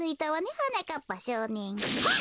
はなかっぱしょうねん。